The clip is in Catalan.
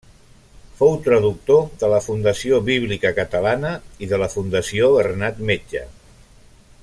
Fou traductor de la Fundació Bíblica Catalana i de la Fundació Bernat Metge.